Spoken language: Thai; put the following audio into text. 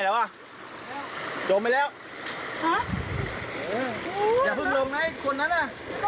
ชาวบ้านใจหายวาบเลยนะคะ